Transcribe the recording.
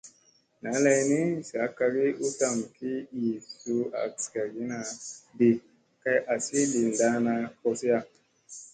ɴaa lay ni sa kagi u tam ki ii suu azagani ɗi kay azi li ndaana koziya.